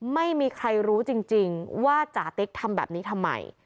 ไม่มีใครรู้จริงว่าจาติ๊กทำแบบนี้ทำไม